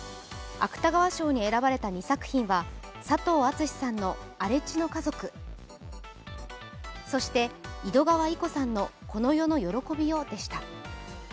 芥川賞に選ばれた２作品は佐藤厚志さんの「荒地の家族」、そして井戸川射子さんの「この世の喜びよ」でした。